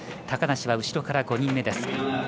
高梨は後ろから５人目。